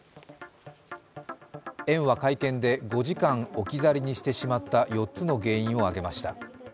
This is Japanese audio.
園は会見で５時間置き去りにしてしまった４つの原因を挙げました。